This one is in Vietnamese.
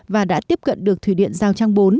và đã tiếp cận được thủy điện giao trang bốn